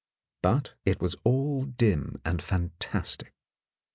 . but it was all dim and fantastic.